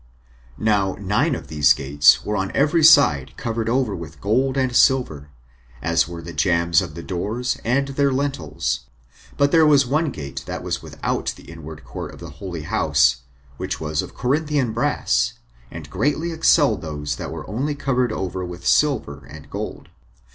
Now nine of these gates were on every side covered over with gold and silver, as were the jambs of their doors and their lintels; but there was one gate that was without the [inward court of the] holy house, which was of Corinthian brass, and greatly excelled those that were only covered over with silver and gold.